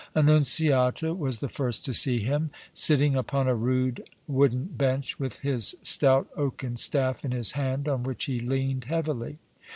Annunziata was the first to see him, sitting upon a rude wooden bench with his stout oaken staff in his hand on which he leaned heavily.